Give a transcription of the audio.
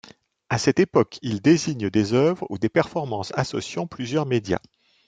À cette époque, il désigne des œuvres ou des performances associant plusieurs médias.